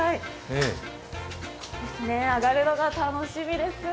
揚がるのが楽しみです。